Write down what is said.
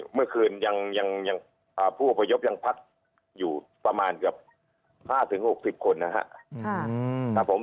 เมื่อคืนยังผู้อพยพยังพักอยู่ประมาณเกือบ๕๖๐คนนะครับ